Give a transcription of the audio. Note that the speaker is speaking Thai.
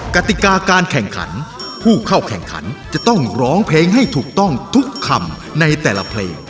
กติกาการแข่งขันผู้เข้าแข่งขันจะต้องร้องเพลงให้ถูกต้องทุกคำในแต่ละเพลง